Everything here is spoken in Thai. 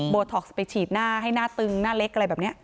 ท็อกซ์ไปฉีดหน้าให้หน้าตึงหน้าเล็กอะไรแบบนี้